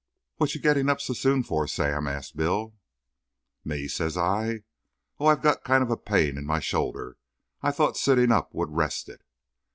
"What you getting up so soon for, Sam?" asked Bill. "Me?" says I. "Oh, I got a kind of a pain in my shoulder. I thought sitting up would rest it."